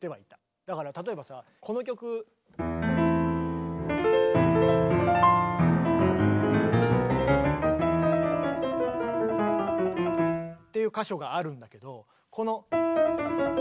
だから例えばさこの曲。っていう箇所があるんだけどこの。